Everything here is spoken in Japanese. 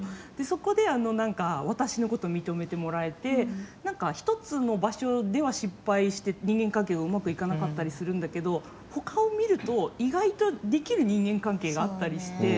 そこで、私のこと認めてもらえてなんか１つの場所では失敗して人間関係がうまくいかなかったりするんだけどほかを見ると、意外とできる人間関係があったりして。